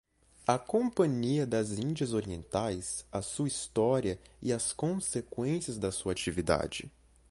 A Companhia das Indias Orientais - A Sua História e as Consequências da sua Actividade